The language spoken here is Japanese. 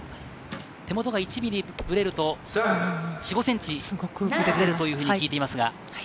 手元が１ｍｍぶれると、４５ｃｍずれるというふうに聞いています。